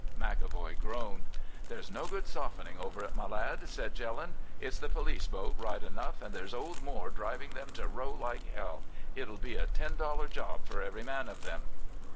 "McEvoy groaned. "'There's no good softening over it, my lad,' said Jelland. 'It's the police boat right enough, and there's old Moore driving them to row like hell. It'll be a ten dollar job for every man of them.